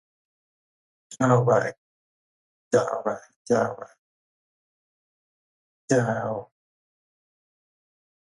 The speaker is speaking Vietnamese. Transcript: Anh đến là em ra xe liền, ăn không kịp uống nước